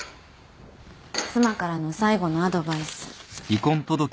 妻からの最後のアドバイス。